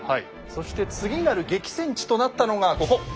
そして次なる激戦地となったのがここ。